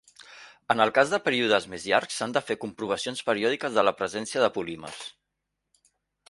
En el cas de períodes més llargs, s'han de fer comprovacions periòdiques de la presència de polímers.